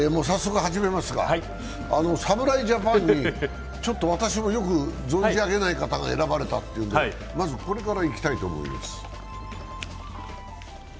侍ジャパンに、ちょっと私もよく存じ上げない方が選ばれたので、まずこれからいきたいと思います。